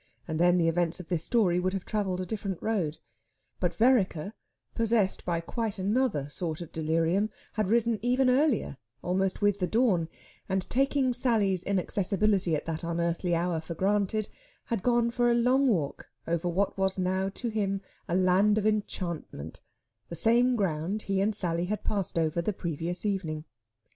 And then the events of this story would have travelled a different road. But Vereker, possessed by quite another sort of delirium, had risen even earlier almost with the dawn and, taking Sally's inaccessibility at that unearthly hour for granted, had gone for a long walk over what was now to him a land of enchantment the same ground he and Sally had passed over on the previous evening.